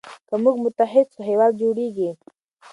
که موږ متحد سو هیواد جوړیږي.